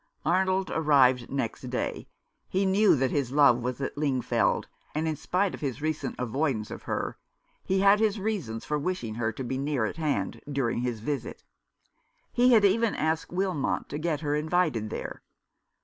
Arnold arrived next day. He knew that his love was at Lingfield ; and, in spite of his recent avoidance of her, he had his reasons for wishing her to be near at hand during his visit. He had even asked Wilmot to get her invited there.